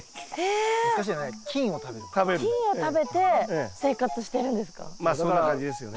菌を食べて生活してるんですか？